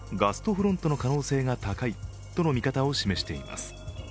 フロントの可能性が高いとの見方を示しています。